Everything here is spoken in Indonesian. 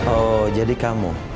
oh jadi kamu